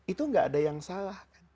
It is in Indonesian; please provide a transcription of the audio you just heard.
itu gak ada yang salah